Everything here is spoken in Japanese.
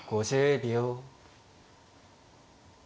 ５０秒。